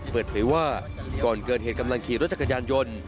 เปิดเผยว่าก่อนเกิดเหตุกำลังขี่รถจักรยานยนต์